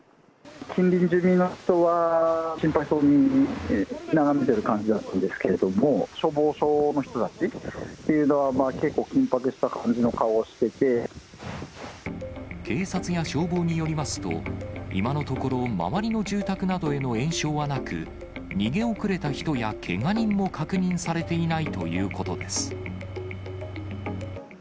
近隣住民の方は心配そうに眺めてる感じだったんですけれども、消防署の人たちっていうのは、警察や消防によりますと、今のところ、周りの住宅などへの延焼はなく、逃げ遅れた人やけが人も確認されていないということです。